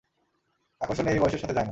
আকর্ষণ এই বয়সের সাথে যায় না।